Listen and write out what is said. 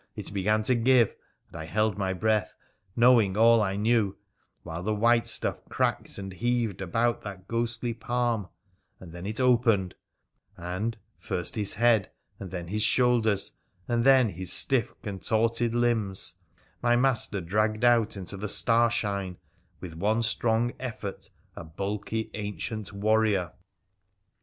— it began to give, and I held my breath — knowing all I knew — while the white stuff cracked and heaved about that ghostly palm, and then it opened, and — first his head, and then his shoulders, and then his stiff contorted limbs — my master dragged out into the starshine, with one strong effort, a bulky ancient warrior